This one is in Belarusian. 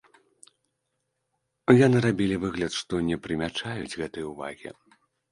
Яны рабілі выгляд, што не прымячаюць гэтай увагі.